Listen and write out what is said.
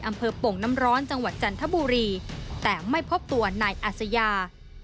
โป่งน้ำร้อนจังหวัดจันทบุรีแต่ไม่พบตัวนายอัศยา